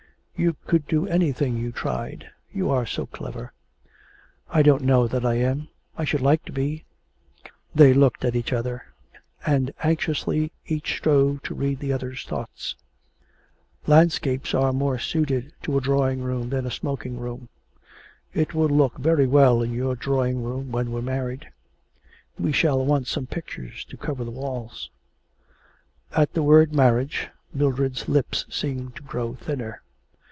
You could do anything you tried. You are so clever.' 'I don't know that I am; I should like to be.' They looked at each other, and anxiously each strove to read the other's thoughts. 'Landscapes are more suited to a drawing room than a smoking room. It will look very well in your drawing room when we're married. We shall want some pictures to cover the walls.' At the word marriage, Mildred's lips seemed to grow thinner.